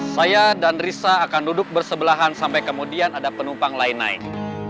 saya dan risa akan duduk bersebelahan sampai kemudian ada penumpang lain naik